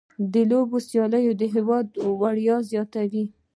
د لوبو سیالۍ د هېواد ویاړ زیاتوي.